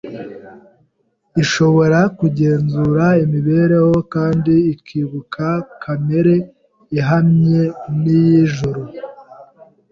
ishobora kugenzura imibereho kandi ikubaka kamere ihwanye n’iy’ijuru.